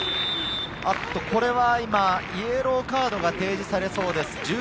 これはイエローカードが提示されそうです。